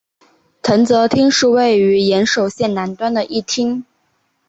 藤泽町是位于岩手县南端的一町。